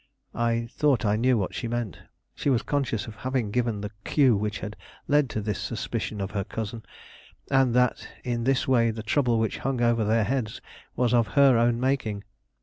I thought I knew what she meant. She was conscious of having given the cue which had led to this suspicion of her cousin, and that in this way the trouble which hung over their heads was of her own making.